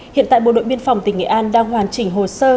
hiện tại bộ đội biên phòng tỉnh nghệ an đang hoàn chỉnh hồ sơ